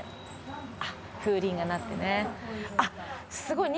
あっ風鈴が鳴ってね。